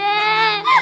aku gak tau